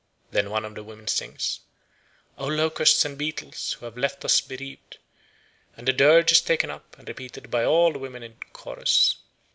Then one of the women sings, "O locusts and beetles who have left us bereaved," and the dirge is taken up and repeated by all the women in chorus.